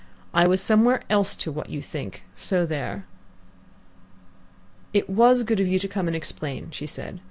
"I was somewhere else to what you think, so there!" "It was good of you to come and explain," she said.